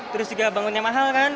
terus juga bangunnya mahal kan